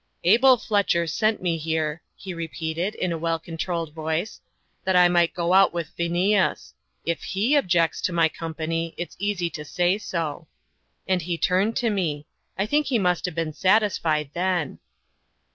"Abel Fletcher sent me here," he repeated, in a well controlled voice, "that I might go out with Phineas; if HE objects to my company, it's easy to say so." And he turned to me. I think he must have been satisfied then.